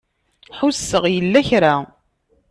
Ḥusseɣ yella kra.